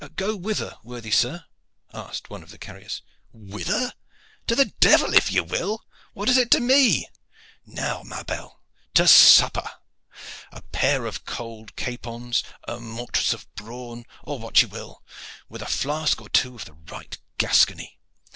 "Go whither, worthy sir?" asked one of the carriers. "Whither? To the devil if ye will. What is it to me? Now, ma belle, to supper. A pair of cold capons, a mortress of brawn, or what you will, with a flask or two of the right Gascony.